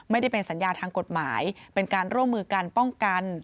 ไม่ได้เป็นสัญญาทางกฎหมายเป็นการร่วมมือกันป้องกัน